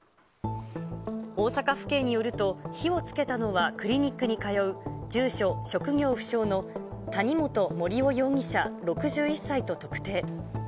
大阪府警によると、火をつけたのはクリニックに通う住所職業不詳の谷本盛雄容疑者６１歳と特定。